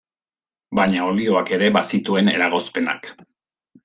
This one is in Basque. Baina olioak ere bazituen eragozpenak.